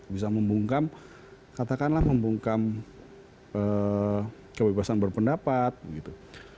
bisa membungkam katakanlah membungkam kebebasan berpendapat gitu